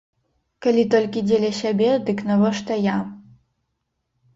Калі толькі дзеля сябе, дык навошта я?